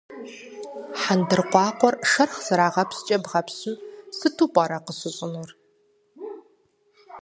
Хьэндыркъуакъуэр шэрхъ зэрагъэпщкӏэ бгъэпщым сыту пӏэрэ къыщыщӏынур?